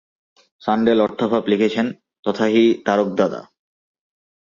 সাণ্ডেল অর্থাভাব লিখছেন, তথাহি তারকদাদা।